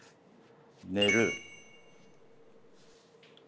寝る。